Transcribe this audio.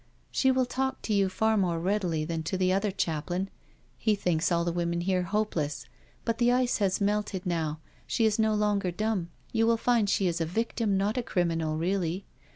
" She will talk to you far more readily than to the other chaplain. He thinks all the women here hopeless. But the ice has melted now— she is no longer dumb — you will find she is a victim, not a criminal really.